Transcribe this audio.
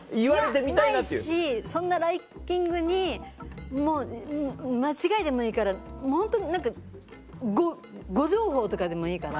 ないしそんなランキングにもう間違いでもいいからホントに何か誤情報とかでもいいから。